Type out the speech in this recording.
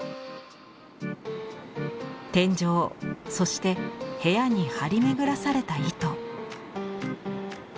天井そして部屋に張り巡らされた糸。